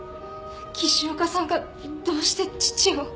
岸岡さんがどうして父を？